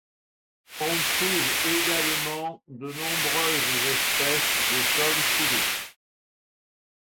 On trouve également de nombreuses espèces de chauve-souris.